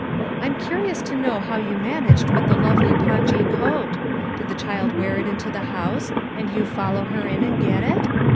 I'm curious to know how you managed with the lovely pongee coat. Did the child wear it into the house and you follow her in and get it?